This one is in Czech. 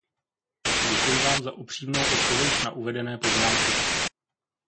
Děkuji vám za upřímnou odpověď na uvedené poznámky.